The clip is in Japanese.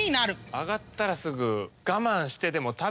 揚がったらすぐ。